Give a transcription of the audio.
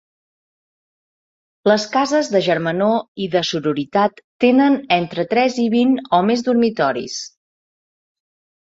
Les cases de germanor i de sororitat tenen entre tres i vint, o més, dormitoris.